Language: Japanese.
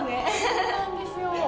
そうなんですよ。